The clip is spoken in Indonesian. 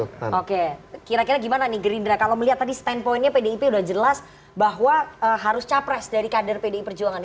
oke kira kira gimana nih gerindra kalau melihat tadi standpointnya pdip udah jelas bahwa harus capres dari kader pdi perjuangan